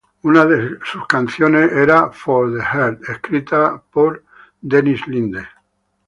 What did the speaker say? Una de sus canciones era "For the Heart", escrita por by Dennis Linde.